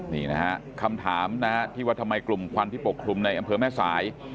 นี่นะฮะคำถามนะฮะที่ว่าทำไมกลุ่มควันที่ปกคลุมในอำเภอแม่สาย